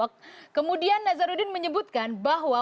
kemudian nazaruddin menyebutkan bahwa